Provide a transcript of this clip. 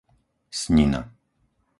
Snina